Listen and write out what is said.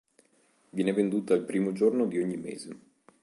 Viene venduta il primo giorno di ogni mese.